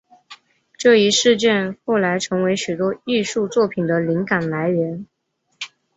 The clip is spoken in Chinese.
这一事件后来成为许多艺术作品的灵感来源。